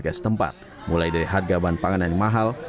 keluarga setempat mulai dari harga bahan panganan yang mahal